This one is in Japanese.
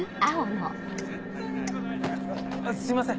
すいません！